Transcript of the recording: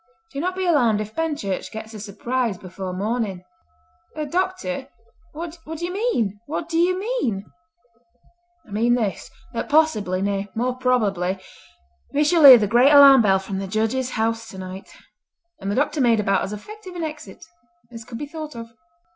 Do not be alarmed if Benchurch gets a surprise before morning." "Oh, Doctor, what do you mean? What do you mean?" "I mean this; that possibly—nay, more probably—we shall hear the great alarm bell from the Judge's House tonight," and the Doctor made about as effective an exit as could be thought of.